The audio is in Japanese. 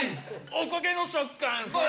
お焦げの食感